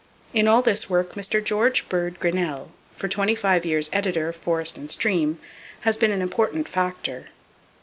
In all this work Mr. George Bird Grinnell, for twenty five years editor of Forest and Stream, has been an important factor.